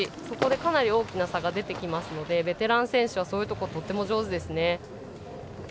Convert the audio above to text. そこでかなり大きな差が出てきますのでベテラン選手はそういうところとても上手ですね。